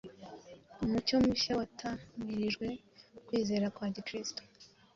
Umucyo mushya watamirijwe ukwizera kwa Gikristo